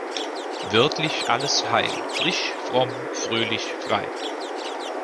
Wörtlich alles Heil, frisch, fromm, fröhlich, frei.